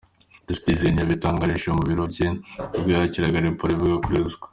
The Citizen : “Yabitangarije mu biro bye ubwo yakiraga raporo ivuga kuri ruswa.”